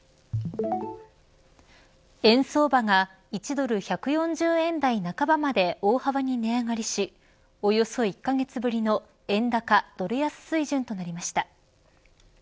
円相場が１ドル１４０円台半ばまで大幅に値上がりしおよそ１カ月ぶりの円高、ドル安水準となりました。